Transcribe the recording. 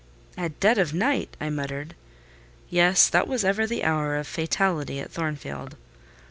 "At dead of night!" I muttered. Yes, that was ever the hour of fatality at Thornfield.